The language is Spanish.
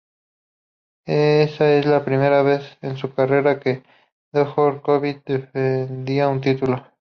Esa es la primera vez en su carrera que Djokovic defendía un título.